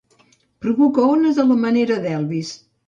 Provoca ones a la manera d'Elvis.